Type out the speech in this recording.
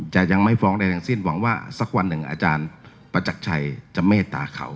ยังไม่ฟ้องใดทั้งสิ้นหวังว่าสักวันหนึ่งอาจารย์ประจักรชัยจะเมตตาเขา